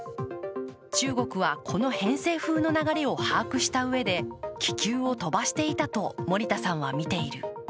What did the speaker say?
中国は、この偏西風の流れを把握したうえで気球を飛ばしていたと森田さんは見ている。